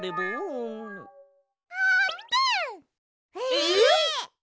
えっ！？